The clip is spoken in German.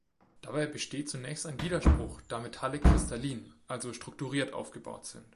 Dabei besteht zunächst ein Widerspruch, da Metalle kristallin, also strukturiert aufgebaut sind.